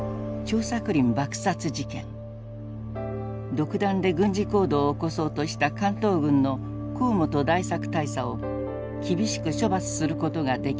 独断で軍事行動を起こそうとした関東軍の河本大作大佐を厳しく処罰することができなかった。